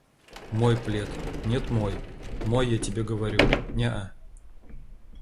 «Мой плед!» — «Нет мой!» — «Мой я тебе говорю!» — «Неа!»